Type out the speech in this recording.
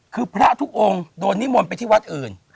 คือพระทุกองค์โดนนิมนต์ไปที่วัดอื่น